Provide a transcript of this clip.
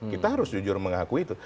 kita harus jujur mengakui itu